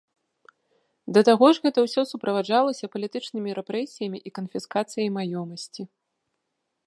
Да таго ж гэта ўсё суправаджалася палітычнымі рэпрэсіямі і канфіскацыяй маёмасці.